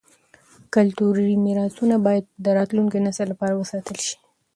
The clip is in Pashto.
کلتوري میراثونه باید د راتلونکي نسل لپاره وساتل شي.